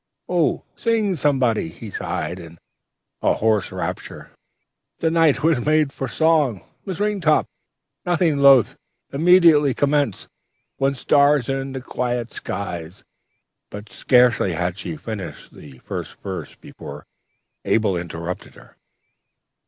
"'Oh, sing, somebody!' he sighed in hoarse rapture: 'the night was made for Song.' "Miss Ringtop, nothing loath, immediately commenced, 'When stars are in the quiet skies'; but scarcely had she finished the first verse before Abel interrupted her.